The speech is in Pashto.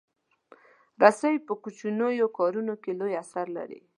رسۍ په کوچنیو کارونو کې لوی اثر لري.